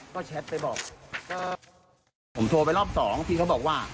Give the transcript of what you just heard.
ผมโทรไปรอบ๒พี่เขาบอกว่า